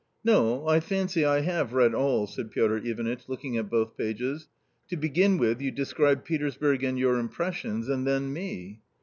" No, I fancy I have read all," said Piotr Ivanitch, look ing at both pages ;" to begin with you describe Petersburg and your impressions, and then me."